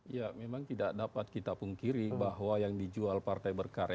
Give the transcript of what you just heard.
ya memang tidak dapat kita pungkiri bahwa yang dijual partai berkarya